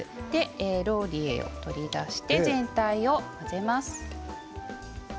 ローリエを取り出して全体を混ぜます。